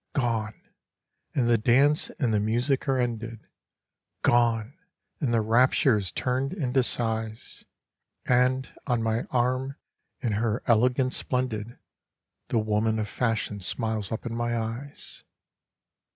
Gone! And the dance and the music are ended. Gone! And the rapture is turned into sighs. And, on my arm, in her elegance splendid, The woman of fashion smiles up in my eyes.